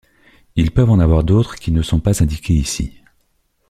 Ils peuvent en avoir d'autres, qui ne sont pas indiquées ici.